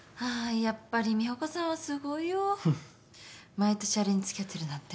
毎年あれに付き合ってるなんて。